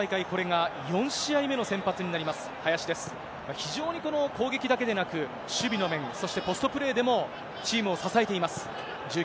非常に攻撃だけでなく、守備の面、そしてポストプレーでも、チームを支えています。